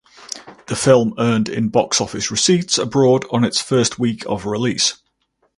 The film earned in box office receipts abroad on its first week of release.